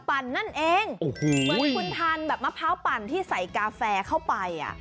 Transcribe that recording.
เหมือนคุณทานแบบมะพร้าวปั่นที่ใส่กาแฟเข้าไป